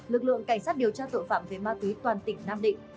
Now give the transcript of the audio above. lực lượng cảnh sát điều tra tội phạm về ma túy toàn tỉnh nam định